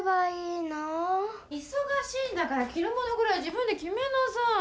いそがしいんだからきるものぐらい自分できめなさい。